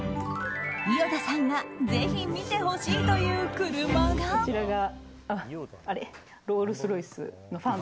伊與田さんがぜひ見てほしいという車が。